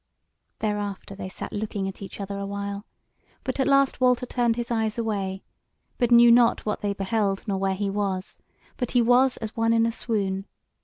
Thereafter they sat looking at each other a while; but at last Walter turned his eyes away, but knew not what they beheld nor where he was, but he was as one in a swoon.